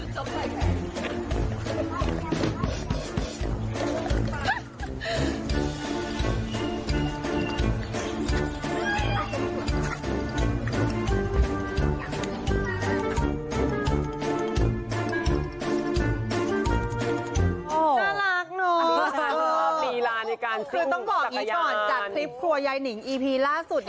ต้องบอกอย่างนี้ก่อนจากคลิปครัวยายนิงอีพีล่าสุด